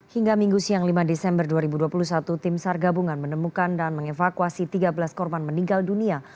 hingga minggu siang lima desember dua ribu dua puluh satu tim sar gabungan menemukan dan mengevakuasi tiga belas korban meninggal dunia